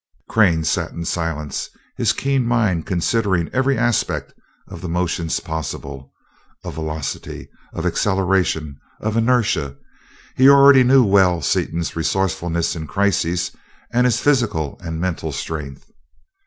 Crane sat in silence, his keen mind considering every aspect of the motions possible, of velocity, of acceleration, of inertia. He already knew well Seaton's resourcefulness in crises and his physical and mental strength.